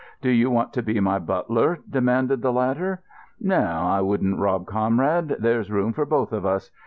"Do you want to be my butler?" demanded the latter. "No, I wouldn't rob Conrad. There's room for both of us.